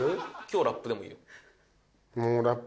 強ラップでもいいよ